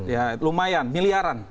ya lumayan miliaran